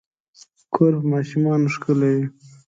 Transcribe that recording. کور په ماشومانو ښکلے وي